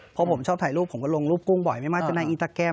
เพราะผมชอบถ่ายรูปผมก็ลงรูปกุ้งบ่อยไม่มากจะในอินตาแกรม